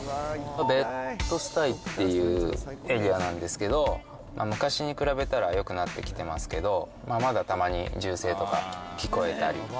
ベッドスタイっていうエリアなんですけど、昔に比べたら、よくなってきてますけど、まだたまに銃声とか聞こえたり。